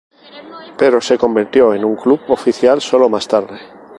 Pero se convirtió en un club oficial solo más tarde.